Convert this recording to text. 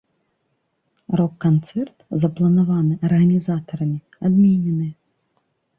Рок-канцэрт, запланаваны арганізатарамі, адменены.